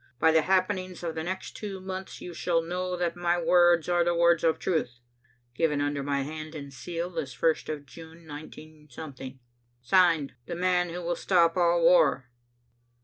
By the happenings of the next two months you shall know that my words are the words of truth. "Given under my hand and seal this first of June, 19 "Signed "THE MAN WHO WILL STOP ALL WAR."